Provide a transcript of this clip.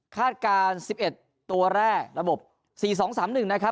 การ๑๑ตัวแรกระบบ๔๒๓๑นะครับ